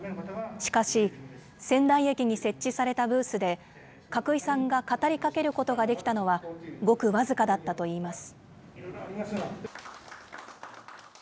しかし、仙台駅に設置されたブースで、格井さんが語りかけることができたのは、ごく僅かだったといいます。